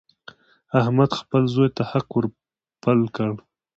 احمد خپل زوی ته حق ور پل کړ.